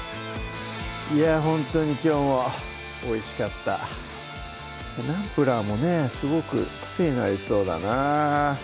いやほんとにきょうもおいしかったナンプラーもねすごく癖になりそうだな